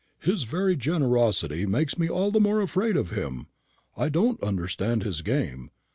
His very generosity makes me all the more afraid of him. I don't understand his game.